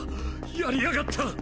やりやがった！